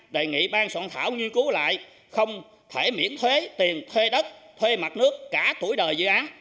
đề nghị bang soạn thảo nghiên cứu lại không thể miễn thuế tiền thuê đất thuê mặt nước cả tuổi đời dự án